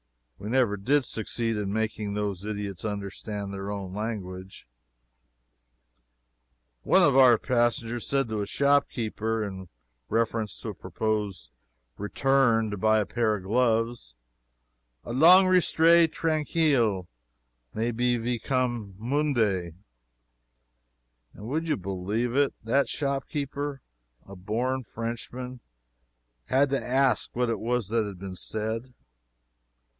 We never did succeed in making those idiots understand their own language. One of our passengers said to a shopkeeper, in reference to a proposed return to buy a pair of gloves, "Allong restay trankeel may be ve coom Moonday;" and would you believe it, that shopkeeper, a born Frenchman, had to ask what it was that had been said.